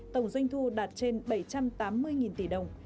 tổng doanh thu đạt trên bảy trăm tám mươi tỷ đồng